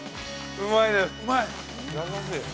◆うまいです。